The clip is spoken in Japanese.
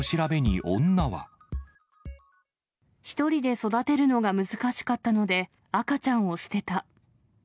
１人で育てるのが難しかったので、赤ちゃんを捨てた。